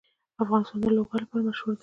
افغانستان د لوگر لپاره مشهور دی.